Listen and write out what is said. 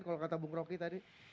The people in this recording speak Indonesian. kalau kata bung roky tadi